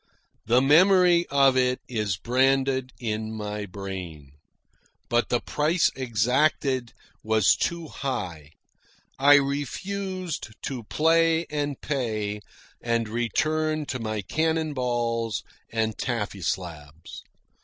The memory of it is branded in my brain. But the price exacted was too high. I refused to play and pay, and returned to my cannon balls and taffy slabs.